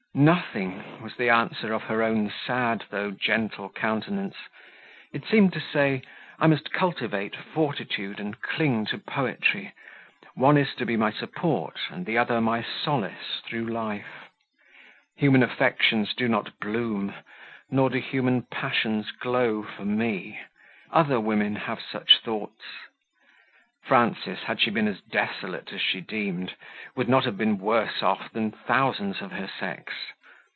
"Nothing," was the answer of her own sad, though gentle countenance; it seemed to say, "I must cultivate fortitude and cling to poetry; one is to be my support and the other my solace through life. Human affections do not bloom, nor do human passions glow for me." Other women have such thoughts. Frances, had she been as desolate as she deemed, would not have been worse off than thousands of her sex.